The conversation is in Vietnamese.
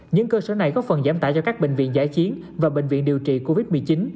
những cơ sở này góp phần giảm tải cho các bệnh viện giải chiến và bệnh viện điều trị covid một mươi chín